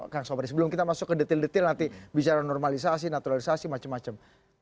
kang sobri sebelum kita masuk ke detail detail nanti bicara normalisasi naturalisasi macam macam